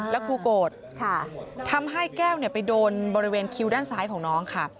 แล้วครูโกรธทำให้แก้วไปโดนบริเวณคิ้วด้านซ้ายของน้องค่ะ